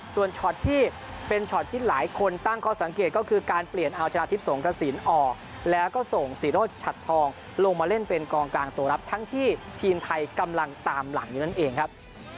ส่วนช็อตที่เป็นช็อตที่หลายคนตั้งข้อสังเกตก็คือการเปลี่ยนเอาชนะทิพย์สงกระสินออกแล้วก็ส่งศรีโรธชัดทองลงมาเล่นเป็นกองกลางตัวรับทั้งที่ทีมไทยกำลังตามหลังอยู่นั่นเองครับ